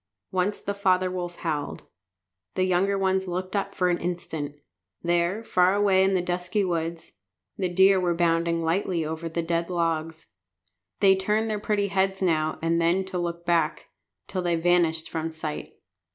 Once the father wolf howled. The young ones looked up for an instant. There, far away in the dusky woods, the deer were bounding lightly over the dead logs. They turned their pretty heads now and then to look back, till they vanished from sight.